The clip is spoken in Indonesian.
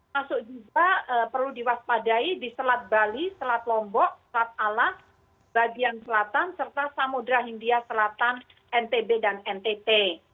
masuk juga perlu diwaspadai di selat bali selat lombok selat ala bagian selatan serta samudera hindia selatan ntb dan ntt